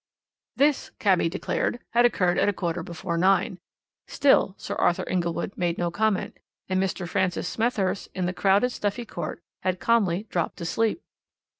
This, cabby declared, had occurred at a quarter before nine. Still Sir Arthur Inglewood made no comment, and Mr. Francis Smethurst, in the crowded, stuffy court, had calmly dropped to sleep.